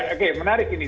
oke menarik ini